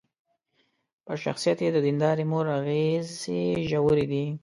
پر شخصيت يې د ديندارې مور اغېزې ژورې دي.